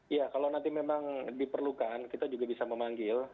iya kalau nanti memang diperlukan kita juga bisa memanggil